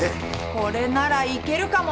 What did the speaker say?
これならいけるかも。